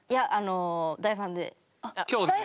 大ファン！